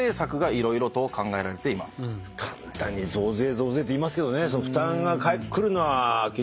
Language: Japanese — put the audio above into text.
簡単に増税増税って言いますけどね。